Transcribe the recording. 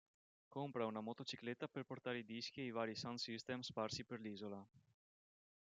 Compra una motocicletta per portare i dischi ai vari sound system sparsi per l'isola.